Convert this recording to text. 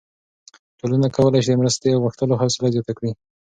ټولنه کولی شي د مرستې غوښتلو حوصله زیاته کړي.